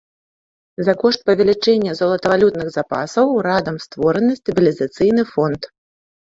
За кошт павелічэння золатавалютных запасаў урадам створаны стабілізацыйны фонд.